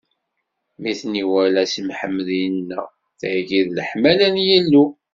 Mi ten-iwala, Si Mḥemmed inna: Tagi d leḥmala n Yillu!